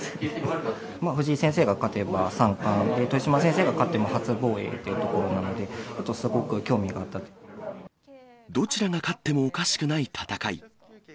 藤井先生が勝てば三冠、豊島先生が勝っても初防衛というところなので、すごく興味がありどちらが勝ってもおかしくない戦い。